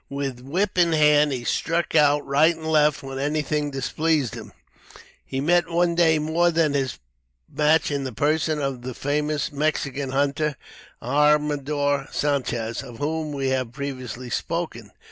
With whip in hand, he struck out right and left when anything displeased him. He met one day more than his match in the person of the famous Mexican hunter, Armador Sanchez, of whom we have previously spoken.